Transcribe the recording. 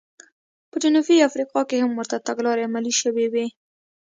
په جنوبي افریقا کې هم ورته تګلارې عملي شوې وې.